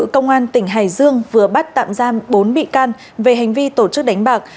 công an tỉnh hải dương vừa bắt tạm giam bốn bị can về hành vi tổ chức đánh bạc